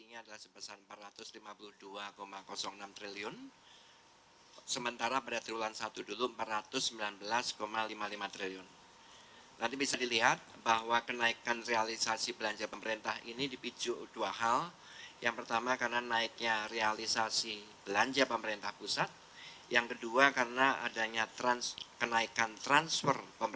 yang kedua karena adanya kenaikan transfer pemerintah pusat ke daerah